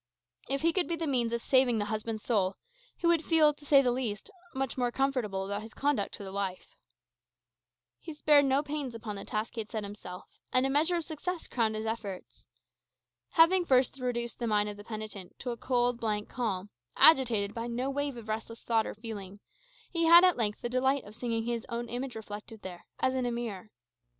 If he could be the means of saving the husband's soul, he would feel, to say the least, much more comfortable about his conduct to the wife. He spared no pains upon the task he had set himself; and a measure of success crowned his efforts. Having first reduced the mind of the penitent to a cold, blank calm, agitated by no wave of restless thought or feeling, he had at length the delight of seeing his own image reflected there, as in a mirror.